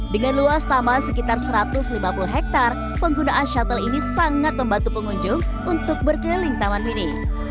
dengan luas taman sekitar satu ratus lima puluh hektare penggunaan shuttle ini sangat membantu pengunjung untuk berkeliling taman mini